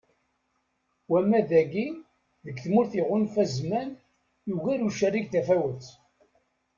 Wama dagi, deg tmurt iɣunfa zzman ; yugar ucerrig tafawet.